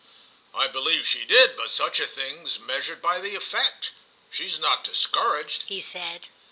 "I believe she did, but such a thing's measured by the effect. She's not 'discouraged,'" he said.